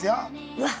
うわっ